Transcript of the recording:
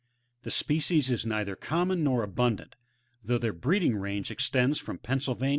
The species is neither common nor abundant, though their breeding range extends from Pennsylvania to Newfoundland.